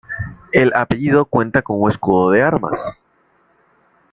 El apellido cuenta con un escudo de armas.